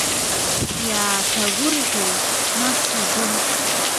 Иааҭагәырӷьеит нас агәы.